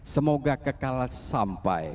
semoga kekal sampai